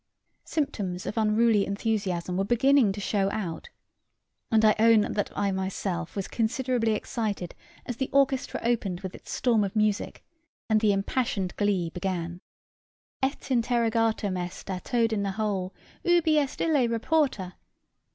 Symptoms of unruly enthusiasm were beginning to show out; and I own that I myself was considerably excited as the orchestra opened with its storm of music, and the impassioned glee began "Et interrogatum est à Toad in the hole Ubi est ille Reporter?"